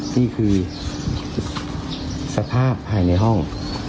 นี่คือสภาพภายในห้อง